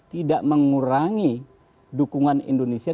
tidak mengurangi dukungan indonesia